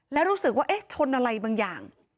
แล้วรู้สึกว่าเอ๊ะชนอะไรบางอย่าง